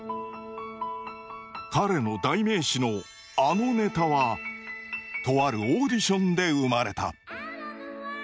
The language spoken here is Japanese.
彼の代名詞のあのネタはとあるオーディションで生まれた。